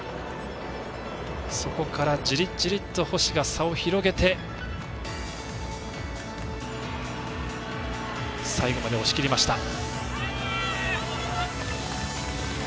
そこからじりじりと星が差を広げて最後に押し切りました。